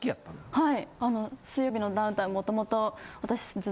はい。